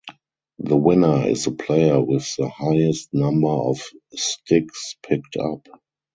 The winner is the player with the highest number of sticks picked up.